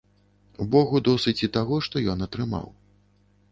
Богу досыць і таго, што ён атрымаў.